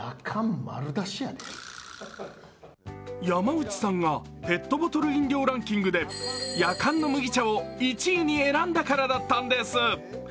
山内さんがペットボトル飲料ランキングでやかんの麦茶を１位に選んだからなんです。